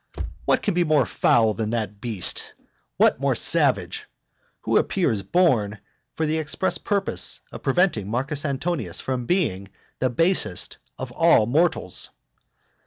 What can be more foul than that beast? what more savage? who appears born for the express purpose of preventing Marcus Antonius from being the basest of all mortals.